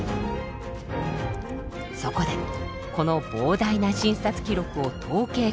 そこでこの膨大な診察記録を統計解析。